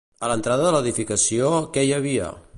A l'entrada de l'edificació, què hi havia?